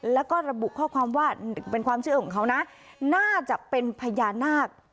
แล้วก็ระบุข้อความว่าเป็นความเชื่อของเขานะน่าจะเป็นพญานาค